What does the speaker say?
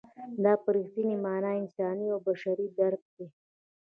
دا په رښتینې مانا انساني او بشري درک دی.